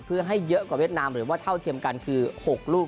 เพื่อให้เยอะกว่าเวียดนามหรือว่าเท่าเทียมกันคือ๖ลูก